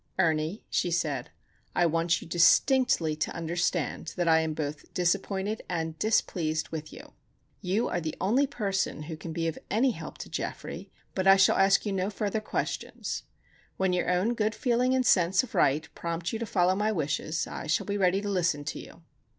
"Ernie," she said, "I want you distinctly to understand that I am both disappointed and displeased with you. You are the one person who can be of any help to Geoffrey; but I shall ask you no further questions. When your own good feeling and sense of right prompt you to follow my wishes, I shall be ready to listen to you."